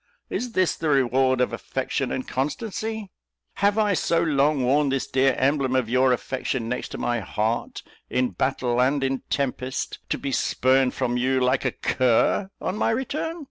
Is this the reward of affection and constancy? Have I so long worn this dear emblem of your affection next my heart, in battle and in tempest, to be spurned from you like a cur on my return?"